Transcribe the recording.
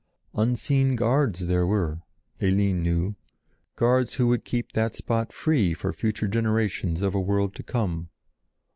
Unseen guards there were, Eline knew, guards who would keep that spot free for future generations of a world to come.